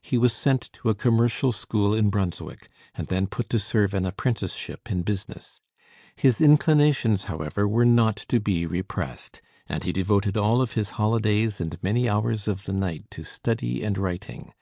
He was sent to a commercial school in Brunswick, and then put to serve an apprenticeship in business. His inclinations, however, were not to be repressed; and he devoted all of his holidays and many hours of the night to study and writing.